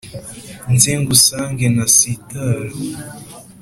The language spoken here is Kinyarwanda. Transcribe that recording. Nze ngusange ntasitara